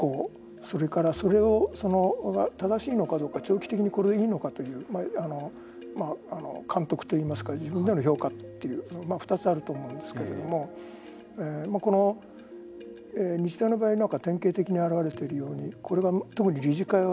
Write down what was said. それからそれを正しいのかどうか長期的にこれはいいのかという監督といいますか評価という２つあると思うんですけれどもこの日大の場合は典型的に表れているように理事会が